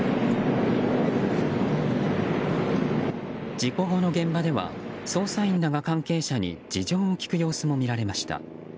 事故後の現場では捜査員らが関係者に事情を聴く様子も見られました。